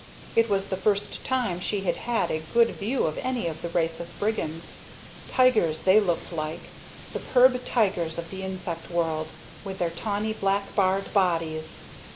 It was the first time she had had a good view of any of the race of brigands. Tigers they looked like, superb tigers of the insect world, with their tawny black barred bodies.